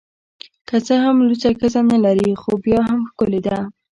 که څه هم لوڅه ښځه نلري خو بیا هم ښکلې ده